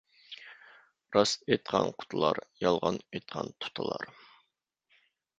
راست ئېيتقان قۇتۇلار، يالغان ئېيتقان تۇتۇلار.